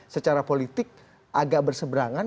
secara politik agak berseberangan